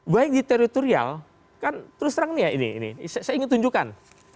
baik di teritorial kan terus terang nih ya ini saya ingin tunjukkan